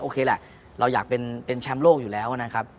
แหละเราอยากเป็นแชมป์โลกอยู่แล้วนะครับ